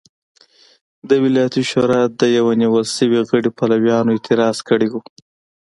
د ولایتي شورا د یوه نیول شوي غړي پلویانو اعتراض کړی و.